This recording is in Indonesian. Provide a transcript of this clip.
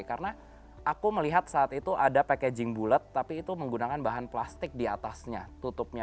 karena aku melihat saat itu ada packaging bulet tapi itu menggunakan bahan plastik di atasnya tutupnya